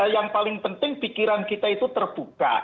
yang paling penting pikiran kita itu terbuka